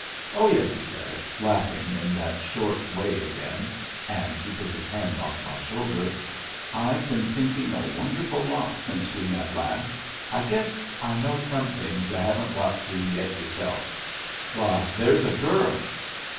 "Oh yes," he said, laughing in that short way again (and he took his hand off my shoulder); "I've been thinking a wonderful lot since we met last. I guess I know some things yu' haven't got to yet yourself Why, there's a girl!"